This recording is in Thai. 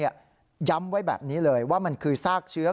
ย้ำไว้แบบนี้เลยว่ามันคือซากเชื้อ